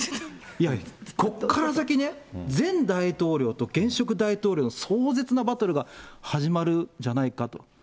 いや、ここから先ね、前大統領と現職大統領の壮絶なバトルが始まるじゃないかと。